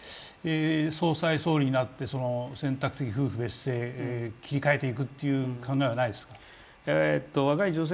総裁、総理になって、選択的夫婦別姓切り替えていく考えはありませんか？